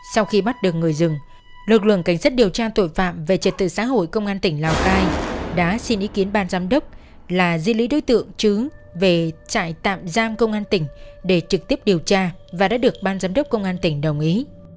sau khi bắt được người rừng lực lượng cảnh sát điều tra tội phạm về trật tự xã hội công an tỉnh lào cai đã xin ý kiến ban giám đốc là di lý đối tượng chứ về trại tạm giam công an tỉnh để trực tiếp điều tra và đã được ban giám đốc công an tỉnh đồng ý